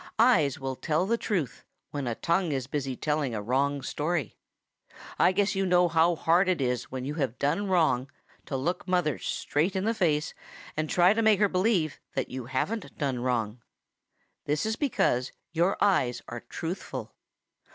Eyes will tell the truth when a tongue is busy telling a wrong story. I guess you know how hard it is when you have done wrong to look mother straight in the face and try to make her believe that you haven't done wrong. That is because your eyes are truthful.